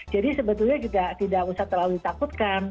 jadi sebetulnya juga tidak usah terlalu ditakutkan